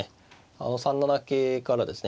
あの３七桂からですね